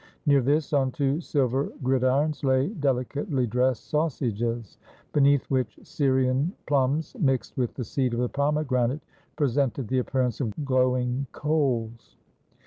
Near this, on two silver gridirons lay dehcately dressed sausages, beneath which Syrian plums, mixed with the seed of the pomegranate, presented the appear ance of glowing coals.